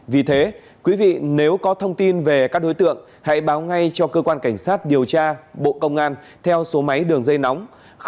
vì thế quý vị nếu có thông tin về các đối tượng hãy báo ngay cho cơ quan cảnh sát điều tra bộ công an theo số máy đường dây nóng